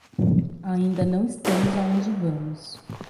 Ainda não estamos aonde vamos.